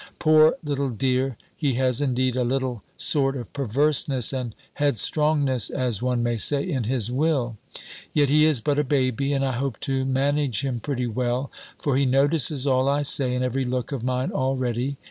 Poor little dear! he has indeed a little sort of perverseness and headstrongness, as one may say, in his will: yet he is but a baby, and I hope to manage him pretty well; for he notices all I say, and every look of mine already.